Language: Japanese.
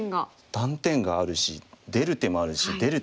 断点があるし出る手もあるし出る手もある。